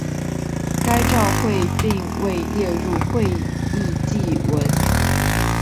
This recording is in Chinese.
该照会并未列入会议记文。